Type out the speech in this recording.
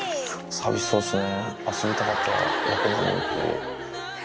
寂しそうっすね。